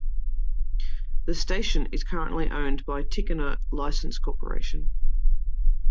The station is currently owned by Tichenor License Corporation.